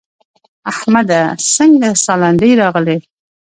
احمده څنګه سالنډی راغلې؟!